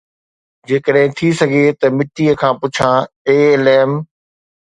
جيڪڏهن ٿي سگهي ته مٽيءَ کان پڇان، اي ليم